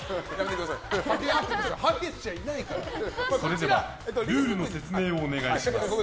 それではルールの説明をお願いします。